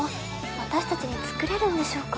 私たちに作れるんでしょうか？